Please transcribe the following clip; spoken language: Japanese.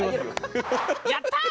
「やったー！